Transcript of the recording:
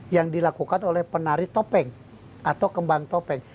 yang dilakukan oleh penari topeng atau kembang topeng